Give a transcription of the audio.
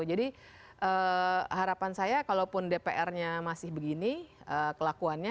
jadi harapan saya kalau pun dpr nya masih begini kelakuannya